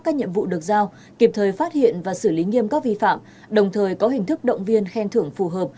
các nhiệm vụ được giao kịp thời phát hiện và xử lý nghiêm các vi phạm đồng thời có hình thức động viên khen thưởng phù hợp